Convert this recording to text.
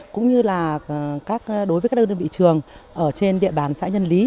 cũng như là đối với các đơn vị trường ở trên địa bàn xã nhân lý